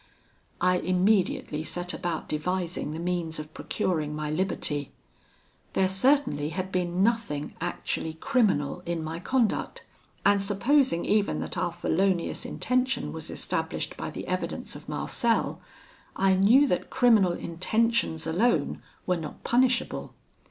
"I immediately set about devising the means of procuring my liberty. There certainly had been nothing actually criminal in my conduct; and supposing even that our felonious intention was established by the evidence of Marcel, I knew that criminal intentions alone were not punishable.